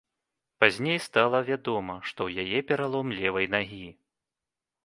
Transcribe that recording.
Пазней стала вядома, што ў яе пералом левай нагі.